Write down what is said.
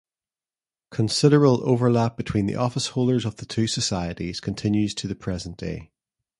Considerable overlap between the officeholders of the two societies continues to the present day.